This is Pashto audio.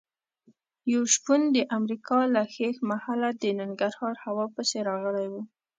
یو شپون د امریکا له ښیښ محله د ننګرهار هوا پسې راغلی و.